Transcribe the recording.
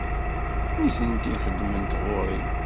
Nitenti xeddment ɣer-i.